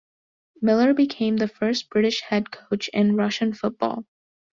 Miller became the first British head coach in Russian football.